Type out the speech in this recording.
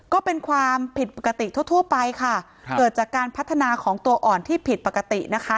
ก็เป็นความผิดปกติทั่วทั่วไปค่ะเกิดจากการพัฒนาของตัวอ่อนที่ผิดปกตินะคะ